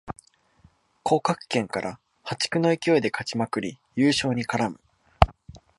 降格圏から破竹の勢いで勝ちまくり優勝に絡む